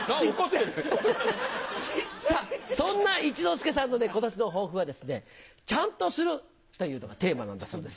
さあ、そんな一之輔さんのね、ことしの抱負は、ちゃんとするというのがテーマなんだそうです。